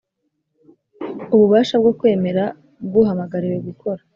Ububasha bwo kwemera bw uhamagariwe gukora